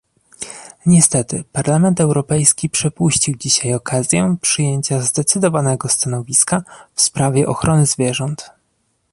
Niestety Parlament Europejski przepuścił dzisiaj okazję przyjęcia zdecydowanego stanowiska w sprawie ochrony zwierząt